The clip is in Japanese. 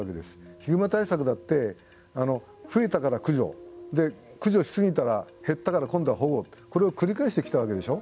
ヒグマ対策だって増えたから駆除駆除し過ぎたら減ったから今度は保護これを繰り返してきたわけでしょう。